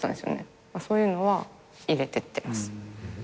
そういうのは入れてってます。